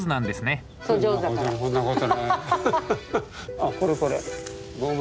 あっこれこれゴマ。